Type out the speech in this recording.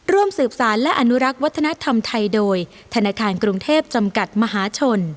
ร่วมสืบสารและอนุรักษ์วัฒนธรรมไทยโดยธนาคารกรุงเทพจำกัดมหาชน